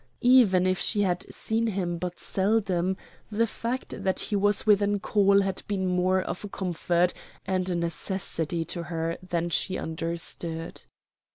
Even if she had seen him but seldom, the fact that he was within call had been more of a comfort and a necessity to her than she understood.